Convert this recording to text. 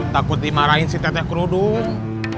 takut dimarahin si teteh kerudung